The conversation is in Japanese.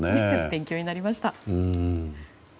勉強になりました。